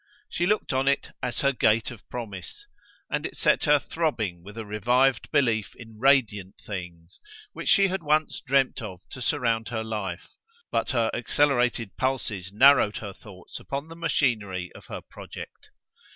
She looked on it as her gate of promise, and it set her throbbing with a revived belief in radiant things which she had once dreamed of to surround her life, but her accelerated pulses narrowed her thoughts upon the machinery of her project.